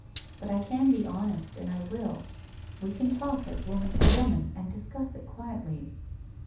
But I can be honest and I will. We can talk as woman to woman, and discuss it quietly.'